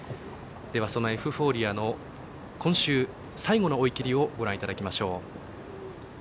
そのエフフォーリアの今週最後の追い切りをご覧いただきましょう。